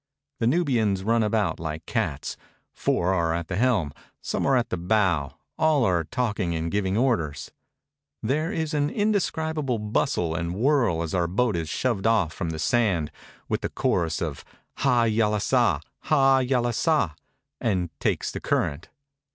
The Nubians run about like cats; four are at the helm, some are on the bow, all are talking and giving orders; there is an indescribable bustle and whirl as our boat is shoved off from the sand, with the chorus of *'Ha! Yalesah. Ha! Yalesah!" and takes the current.